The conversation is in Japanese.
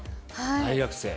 大学生。